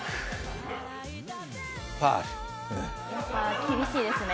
やっぱ厳しいですね。